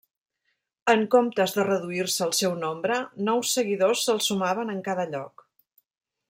En comptes de reduir-se el seu nombre, nous seguidors se'ls sumaven en cada lloc.